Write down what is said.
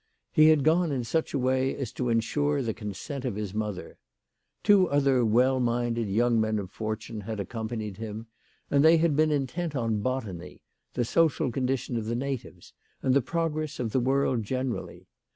He had gone in such a way as to ensure the consent of his mother. Two other well minded young men of fortune had accompanied him, and they had been intent on botany, the social condition of natives, and the progress of the world generally.